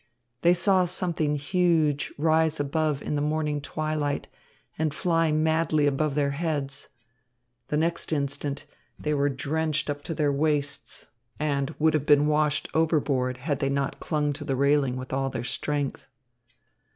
They saw something huge rise high up in the morning twilight and fly madly above their heads. The next instant they were drenched up to their waists, and would have been washed overboard, had they not clung to the railing with all their strength.